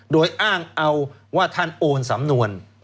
โดยอ้างเอาว่าท่านโอนสำนวน